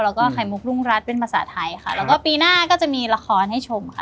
แล้วก็ขายมุกรุงรัดมีประสาทไทยแล้วก็ปีหน้าก็จะมีละครให้ชมค่ะ